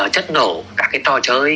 chất nổ các cái trò chơi